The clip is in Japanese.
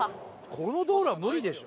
この道路は無理でしょ。